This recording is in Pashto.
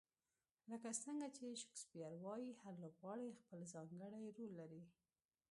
لکه څنګه چې شکسپیر وایي، هر لوبغاړی خپل ځانګړی رول لري.